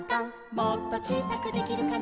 「もっとちいさくできるかな」